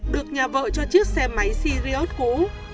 được nhà vợ cho chiếc xe máy sirius cũ